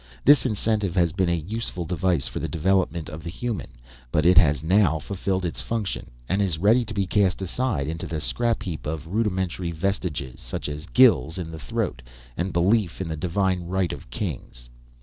This incentive has been a useful device for the development of the human; but it has now fulfilled its function and is ready to be cast aside into the scrap heap of rudimentary vestiges such as gills in the throat and belief in the divine right of kings.